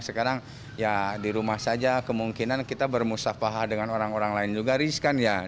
sekarang ya di rumah saja kemungkinan kita bermusafaha dengan orang orang lain juga riskan ya